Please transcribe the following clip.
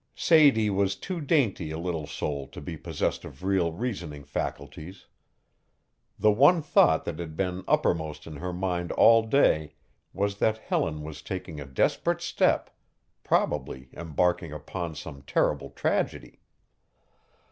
Sadie was too dainty a little soul to be possessed of real reasoning faculties. The one thought that had been uppermost in her mind all day was that Helen was taking a desperate step, probably embarking upon some terrible tragedy.